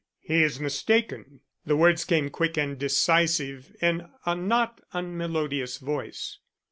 "He is mistaken." The words came quick and decisive in a not unmelodious voice.